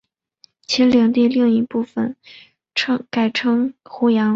其领地的另一部分改称湖阳。